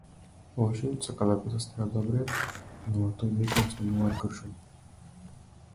Лошиот сака да го застрела добриот, но во тој миг му снемуваат куршуми.